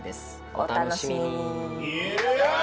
お楽しみに！